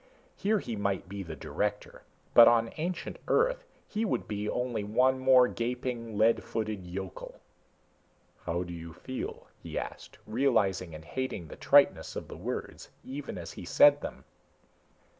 Here he might be the director, but on ancient Earth he would be only one more gaping, lead footed yokel. "How do you feel?" he asked, realizing and hating the triteness of the words, even as he said them.